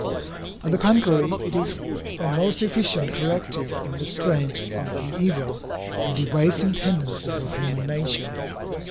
On the contrary, it is a most efficient corrective and restraint of the evil and debasing tendencies of human nature.